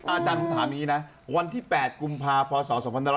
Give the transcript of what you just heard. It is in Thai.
อาจารย์ถามนี้นะวันที่๘กุมภาพศ๒๖๖๒